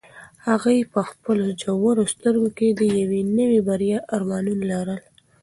هغې په خپلو ژورو سترګو کې د یوې نوې بریا ارمانونه لرل.